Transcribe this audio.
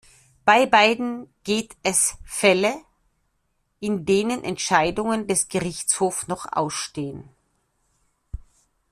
Bei beiden geht es Fälle, in denen Entscheidungen des Gerichtshofs noch ausstehen.